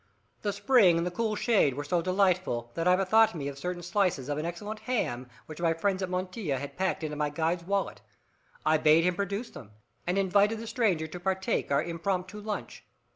The spring and the cool shade were so delightful that I bethought me of certain slices of an excellent ham, which my friends at Montilla had packed into my guide's wallet. I bade him produce them, and invited the stranger to share our impromptu lunch.